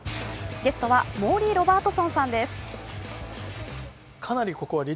ゲストはモーリー・ロバートソンさんです。